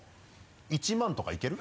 １万とかいける？